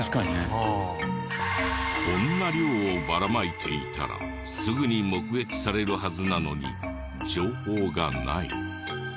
こんな量をばらまいていたらすぐに目撃されるはずなのに情報がない。